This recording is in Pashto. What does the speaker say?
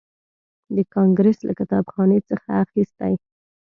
د کانګریس له کتابخانې څخه اخیستی.